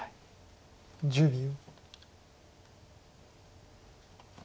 １０秒。